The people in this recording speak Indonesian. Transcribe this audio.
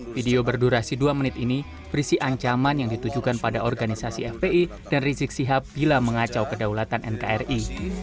video berdurasi dua menit ini berisi ancaman yang ditujukan pada organisasi fpi dan rizik sihab bila mengacau kedaulatan nkri